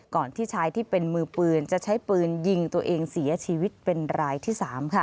ที่ชายที่เป็นมือปืนจะใช้ปืนยิงตัวเองเสียชีวิตเป็นรายที่๓ค่ะ